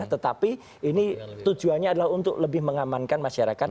tetapi ini tujuannya adalah untuk lebih mengamankan masyarakat